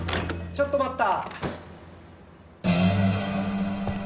・・ちょっと待った。